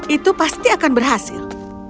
itu pasti akan berhasil